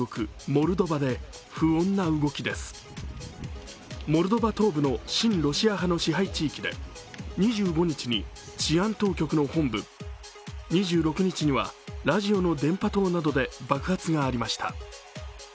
モルドバ東部の親ロシア派の支配地域で２５日に２５日に治安当局の本部、２６日にはラジオの電波塔などで爆発がありました。